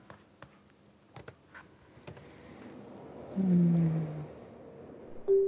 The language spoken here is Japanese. うん。